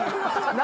何？